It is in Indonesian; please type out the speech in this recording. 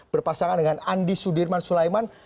berpasangan dengan andi sudirman sulaiman